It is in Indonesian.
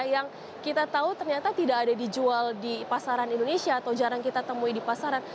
yang kita tahu ternyata tidak ada dijual di pasaran indonesia atau jarang kita temui di pasaran